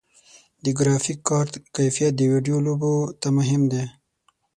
د ګرافیک کارت کیفیت د ویډیو لوبو ته مهم دی.